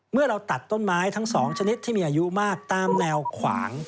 เมื่อเราตัดต้นไม้ทั้ง๒ชนิดที่มีอายุมากตามแนวขวาง